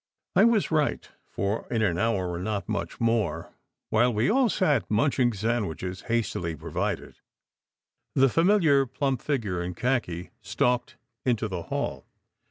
I was right, for in an hour, or not much more, while we all sat munching sandwiches, hastily provided, the famil iar plump figure in khaki stalked into the hall.